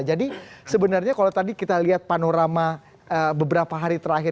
jadi sebenarnya kalau tadi kita lihat panorama beberapa hari terakhir